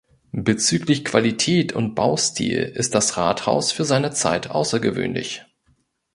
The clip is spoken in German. Bezüglich Qualität und Baustil ist das Rathaus für seine Zeit außergewöhnlich.